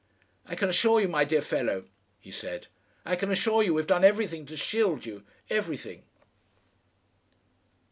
"I can assure you, my dear fellow," he said; "I can assure you we've done everything to shield you everything."...